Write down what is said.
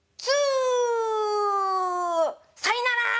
「さいなら。